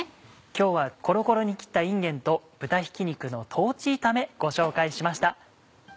今日はコロコロに切ったいんげんと豚ひき肉の豆炒めご紹介しました。